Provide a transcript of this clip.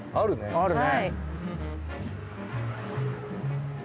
あるね。